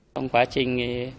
trong quá trình